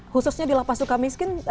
khususnya di lapas suka miskin